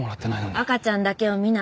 赤ちゃんだけを見ない。